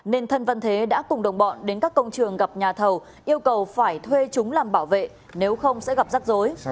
nên thân văn thế đã cùng đồng bọn đến các công trường gặp nhà thầu yêu cầu phải thuê chúng làm bảo vệ nếu không sẽ gặp rắc rối